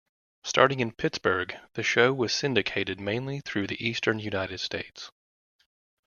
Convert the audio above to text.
Starting in Pittsburgh, the show was syndicated mainly through the eastern United States.